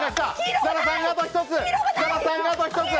設楽さん、あと１つ。